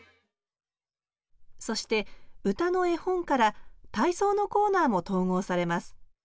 そして「うたのえほん」から体操のコーナーも統合されます